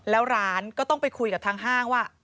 แล้วร้านก็ต้องไปคุยกับทางห้างว่า